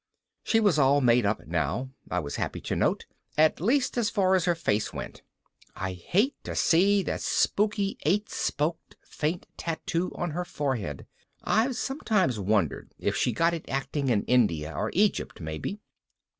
She was all made up now, I was happy to note, at least as far as her face went I hate to see that spooky eight spoked faint tattoo on her forehead (I've sometimes wondered if she got it acting in India or Egypt maybe).